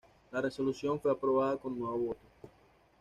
La resolución fue aprobada con nueve votos.